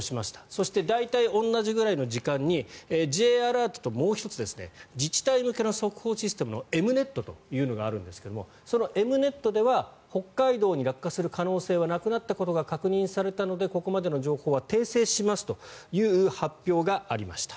そして、大体同じぐらいの時間にＪアラートともう１つ自治体向けの速報システムのＥｍ−ＮｅｔというのがあるんですがそのＥｍ−Ｎｅｔでは北海道に落下する可能性はなくなったことが確認されたのでここまでの情報は訂正しますという発表がありました。